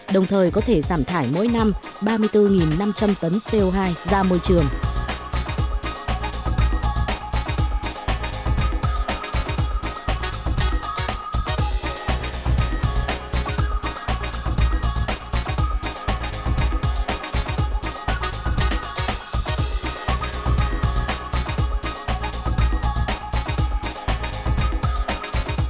đồng thời có thể giảm tải mỗi năm ba mươi bốn năm trăm linh tấn co hai ra môi trường